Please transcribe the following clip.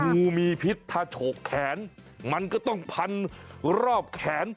งูมีพิษถ้าฉกแขนมันก็ต้องพันรอบแขน